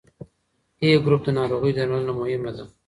A ګروپ د ناروغۍ درملنه مهمه ده.